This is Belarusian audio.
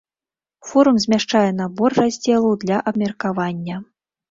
Форум змяшчае набор раздзелаў для абмеркавання.